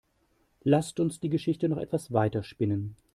Lasst uns die Geschichte noch etwas weiter spinnen.